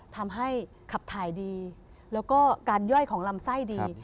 ทำให้ขับถ่ายดีแล้วก็การย่อยของลำไส้ดี